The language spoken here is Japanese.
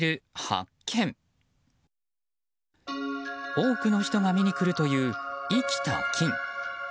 多くの人が見に来るという生きた金。